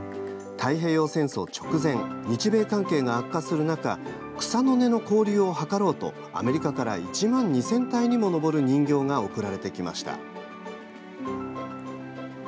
太平洋戦争直前日米関係が悪化する中草の根の交流を図ろうとアメリカから１万２０００体にも上る人形が贈られてきました。